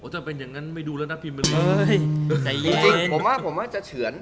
จริงผมว่าจะเฉือน